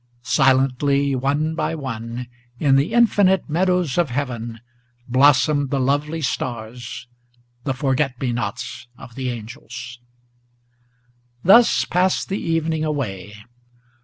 Silently one by one, in the infinite meadows of heaven, Blossomed the lovely stars, the forget me nots of the angels. Thus passed the evening away.